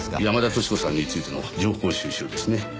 山田淑子さんについての情報収集ですね？